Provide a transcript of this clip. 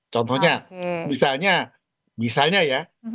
contohnya misalnya ya